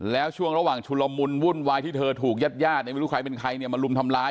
แล้วช่วงระหว่างชุลมุนวุ่นวายที่เธอถูกญาติญาติเนี่ยไม่รู้ใครเป็นใครเนี่ยมาลุมทำร้าย